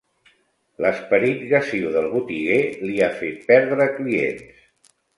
L'esperit gasiu del botiguer li ha fet perdre clients.